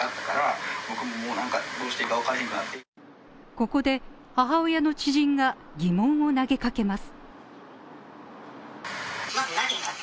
ここで、母親の知人が疑問を投げかけます。